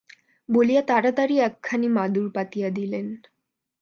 বলিয়া তাড়াতাড়ি একখানি মাদুর পাতিয়া দিলেন।